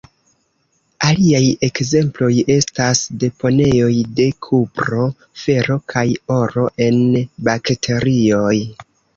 Aliaj ekzemploj estas deponejoj de kupro, fero kaj oro en bakterioj.